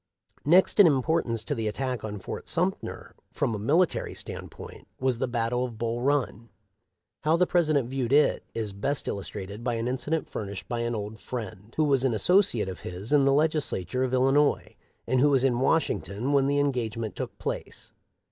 Next in importance to the attack on Fort Sum ter, from a military standpoint, was the battle of Bull Run. How the President viewed it is best illustrated by an incident furnished by an old friend * who was an associate of his in the Legislature of Illinois, and who was in Washington when the en gagement took place.